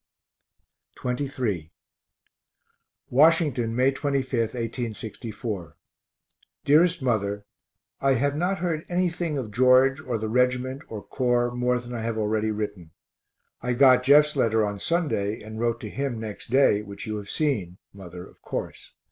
XXIII Washington, May 25, 1864. DEAREST MOTHER I have not heard anything of George or the reg't or Corps more than I have already written. I got Jeff's letter on Sunday and wrote to him next day, which you have seen, mother, of course.